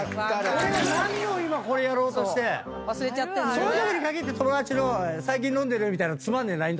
俺は何を今やろうとしてそういうときに限って友達の「最近飲んでる？」みたいなつまんねえＬＩＮＥ。